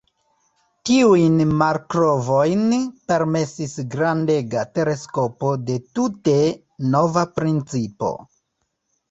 Tiujn malkovrojn permesis grandega teleskopo de tute nova principo.